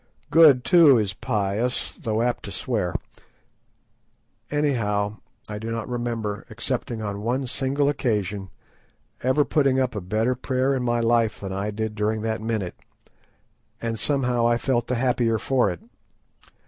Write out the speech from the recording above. Good too is pious, though apt to swear. Anyhow I do not remember, excepting on one single occasion, ever putting up a better prayer in my life than I did during that minute, and somehow I felt the happier for it.